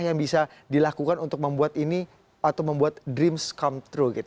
yang bisa dilakukan untuk membuat ini atau membuat dreams come through gitu